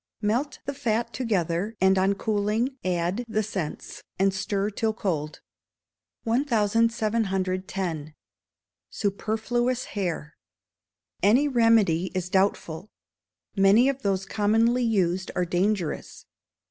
Melt the fat together, and on cooling add the scents, and stir till cold. 1710. Superfluous Hair. Any remedy is doubtful; many of those commonly used are dangerous.